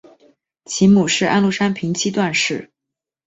其母是安禄山平妻段氏。